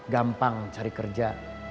gampang cari kerja